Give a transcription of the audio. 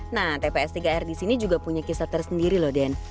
nah tps tiga r di sini juga punya kisah tersendiri loh den